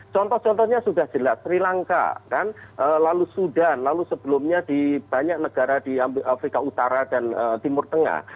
contoh contohnya sudah jelas sri lanka lalu sudan lalu sebelumnya di banyak negara di afrika utara dan timur tengah